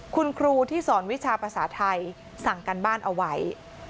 คุณครูที่สอนวิชาภาษาไทยสั่งการบ้านเอาไว้